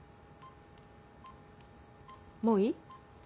もういい？